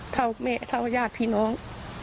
เท่าแม่เท่าญาติพี่น้อง